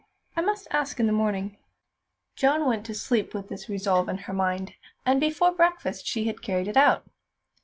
I must ask in the morning." Joan went to sleep with this resolve in her mind, and before breakfast she had carried it out.